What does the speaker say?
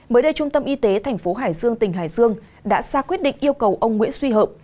mới đây trung tâm y tế tp hải dương tỉnh hải dương đã xa quyết định yêu cầu ông nguyễn suy hợp